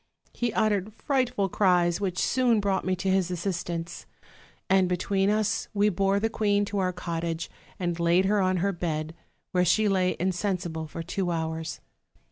He uttered frightful cries, which soon brought me to his assistance; and between us we bore the queen to our cot tage, and laid her on her bed; where she lay insensible for two hours.